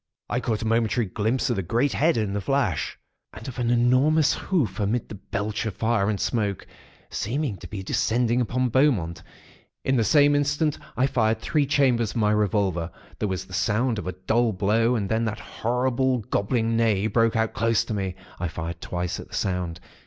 I caught a momentary glimpse of the great head, in the flash, and of an enormous hoof amid the belch of fire and smoke, seeming to be descending upon Beaumont. In the same instant, I fired three chambers of my revolver. There was the sound of a dull blow, and then that horrible, gobbling neigh, broke out close to me. I fired twice at the sound.